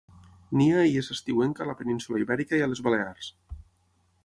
Nia i és estiuenca a la península Ibèrica i a les Balears.